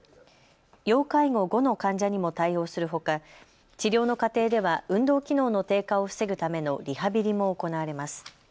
要介護５の患者にも対応するほか治療の過程では運動機能の低下を防ぐためのリハビリも行われます。